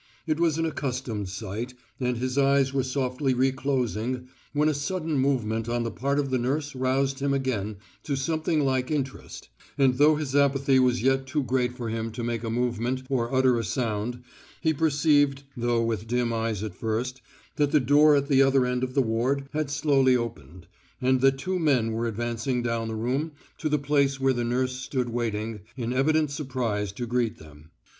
It was an accustomed sight, and his eyes were softly re closing when a sudden movement on the part of the nurse roused him again to something like interest, and though his apathy was yet too great for him to make a movement or utter a sound, he perceived, though with dim eyes at first, that the door at the other end of the ward had slowly opened, and that two men were advancing down the room to the place where the nurse stood waiting in evident surprise to greet them.